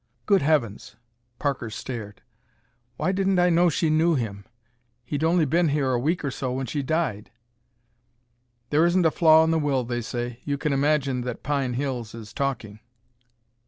"Good heavens!" Parker stared. "Why, I didn't know she knew him. He'd only been here a week or so when she died." "There isn't a flaw in the will, they say. You can imagine that Pine Hills is talking!"